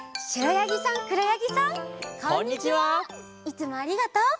いつもありがとう！